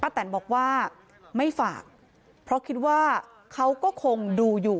แตนบอกว่าไม่ฝากเพราะคิดว่าเขาก็คงดูอยู่